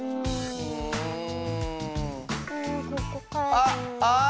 あっあっ